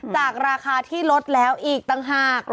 จากราคาที่ลดแล้วอีกต่างหาก